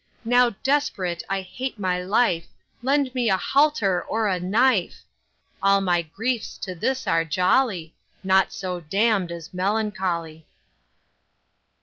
Now desperate I hate my life, Lend me a halter or a knife; All my griefs to this are jolly, Naught so damn'd as melancholy.